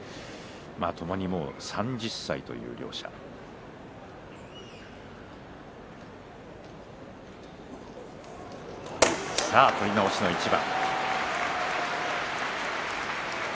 ともに３０歳という両者取り直しの一番。